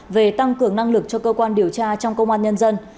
về tăng cường năng lực cho cơ quan điều tra trong công an nhân dân